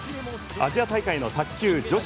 アジア大会の卓球女子